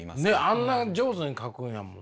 あんな上手に描くんやもん。